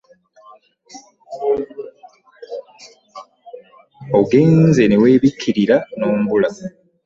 Ogenze ne weebikkirira n'ombula.